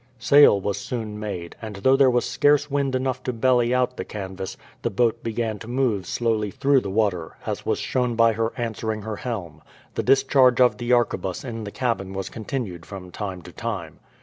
Sail was soon made; and though there was scarce wind enough to belly out the canvas, the boat began to move slowly through the water, as was shown by her answering her helm. The discharge of the arquebus in the cabin was continued from time to time.